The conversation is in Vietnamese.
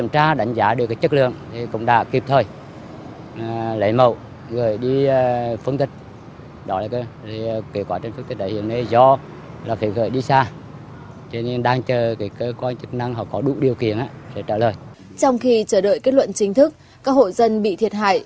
trong khi chờ đợi kết luận chính thức các hộ dân bị thiệt hại